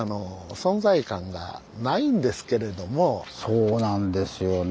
そうなんですよね。